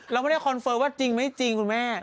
เราไม่ได้คอนเฟิร์มว่าจริงไม่จริงคุณแม่